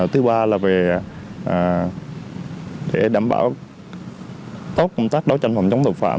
thứ ba là về đảm bảo tốt công tác đối tranh phòng chống tội phạm